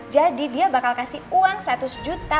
jadi dia bakal kasih uang seratus juta